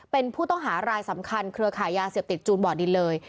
เป็นผู้ต้องหารายสำคัญเครือขายยาเสพติดจูนบ่อดินเลย